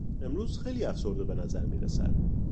امروز خیلی افسرده به نظر میرسد.